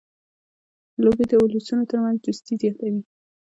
لوبې د اولسونو ترمنځ دوستي زیاتوي.